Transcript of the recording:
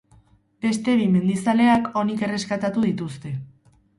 Beste bi mendizaleak onik erreskatatu dituzte.